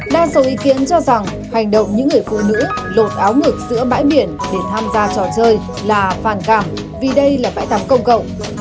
đa số ý kiến cho rằng hành động những người phụ nữ lột áo ngực giữa bãi biển để tham gia trò chơi là phản cảm vì đây là bãi tắm công cộng